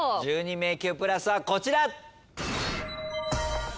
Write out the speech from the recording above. １２迷宮プラスはこちら！